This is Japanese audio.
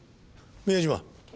宮島。